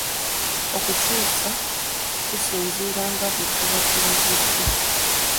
Okukyusa okusinziira nga bwe tuba tulagiddwa.